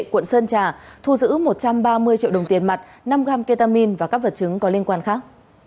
quận sơn trà thu giữ một trăm ba mươi triệu đồng tiền mặt năm gram ketamin và các vật chứng có liên quan khác